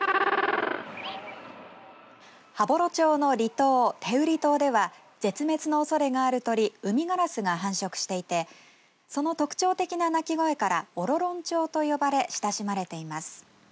羽幌町の離島、天売島では絶滅のおそれがある鳥ウミガラスが繁殖していてその特徴的な鳴き声からオロロン鳥と呼ばれ親しまれています。